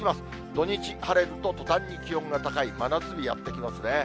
土日晴れると、とたんに気温が高い、真夏日やって来ますね。